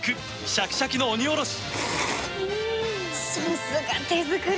シャキシャキの鬼おろし。